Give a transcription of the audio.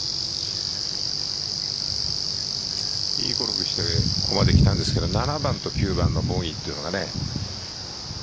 いいゴルフをしてここまで来たんですけど７番と９番のボギーというのは。